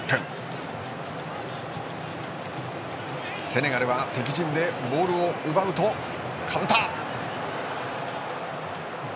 セネガルは敵陣でボールを奪うとカウンター！